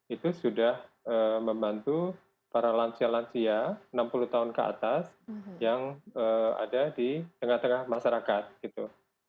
itu sudah membantu para lansia lansia enam puluh tahun ke atas yang ada di tengah tengah masyarakat gitu